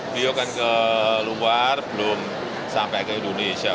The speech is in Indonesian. beliau kan keluar belum sampai ke indonesia